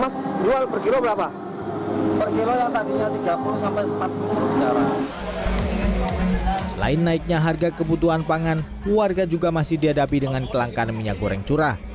selain naiknya harga kebutuhan pangan warga juga masih dihadapi dengan kelangkaan minyak goreng curah